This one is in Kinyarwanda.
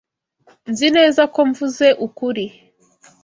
Nzi neza ko mvuze ukuri.